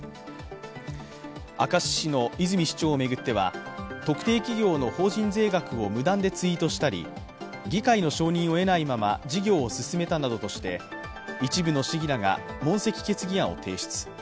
明石市の泉市長を巡っては特定企業の法人税額を無断でツイートしたり、議会の承認を得ないまま事業を進めたなどとして一部の市議らが問責決議案を提出。